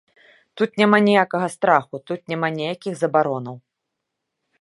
Тут няма ніякага страху, тут няма ніякіх забаронаў.